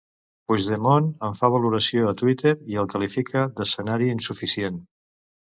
Puigdemont en fa valoració a Twitter i el qualifica d'escenari insuficient.